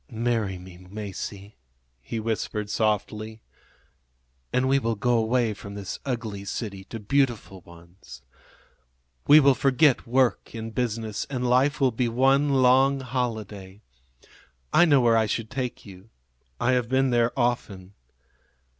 "Marry me, Masie," he whispered softly, "and we will go away from this ugly city to beautiful ones. We will forget work and business, and life will be one long holiday. I know where I should take you I have been there often.